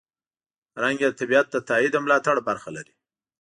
رنګ یې د طبیعت د تاييد او ملاتړ برخه لري.